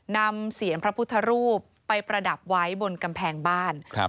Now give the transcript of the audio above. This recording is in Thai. เสียนพระพุทธรูปไปประดับไว้บนกำแพงบ้าน